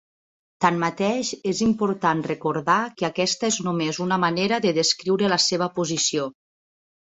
Tanmateix és important recordar que aquesta és només una manera de descriure la seva posició.